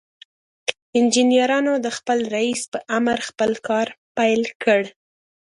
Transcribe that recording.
انجنيرانو د خپل رئيس په امر خپل کار پيل کړ.